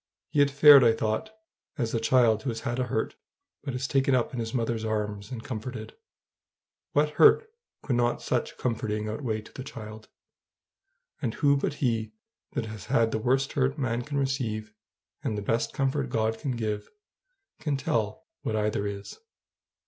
He had fared, I thought, as the child who has had a hurt, but is taken up in his mother's arms and comforted. What hurt would not such comforting outweigh to the child? And who but he that has had the worst hurt man can receive, and the best comfort God can give, can tell what either is?